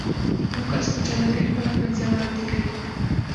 يو کس په چالاکي خپله قضيه وړاندې کړي.